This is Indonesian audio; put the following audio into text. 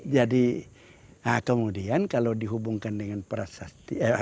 jadi kemudian kalau dihubungkan dengan prasasti